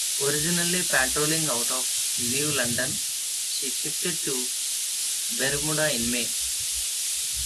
Originally patrolling out of New London, she shifted to Bermuda in May.